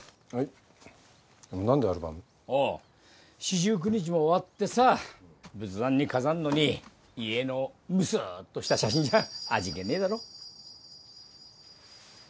四十九日も終わってさ仏壇に飾んのに遺影のむすっとした写真じゃ味気ねえだろ？